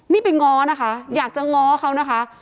นี่ไปง้อนะคะอยากจะง้อเขานะคะ